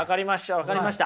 分かりました。